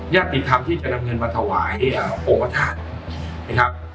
ยากติดธรรมที่จะนำเงินมาถว่าให้องค์พระธาตุ